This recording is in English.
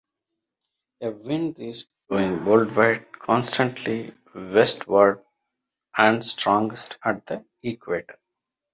A wind is blowing worldwide, constantly westward and strongest at the equator.